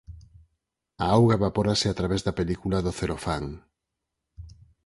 A auga evapórase a través da película do celofán.